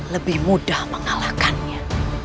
lebih mudah mengalahkannya